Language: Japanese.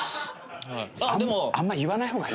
あんまり言わない方がいいよ。